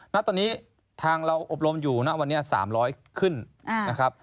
ณตอนนี้ทางเราอบรมอยู่ณวันนี้๓๐๐ขึ้นนะครับ